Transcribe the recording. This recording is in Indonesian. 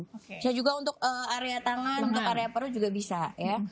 bisa juga untuk area tangan untuk area perut juga bisa ya